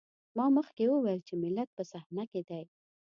ما مخکې وويل چې ملت په صحنه کې دی.